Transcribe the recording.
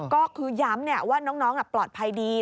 ก็คือย้ำว่าน้องปลอดภัยดี